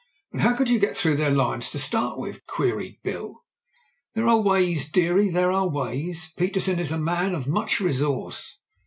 "But how could you get through their lines to start with?" queried Bill. "There are ways, dearie, there are ways. Petersen is a man of much resource."